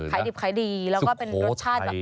ไข่ดิบไข่ดีและก็เป็นรสชาติดั้งเดิม